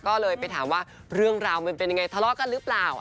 ก็เลยไปถามว่าเรื่องราวมันเป็นยังไงทะเลาะกันหรือเปล่า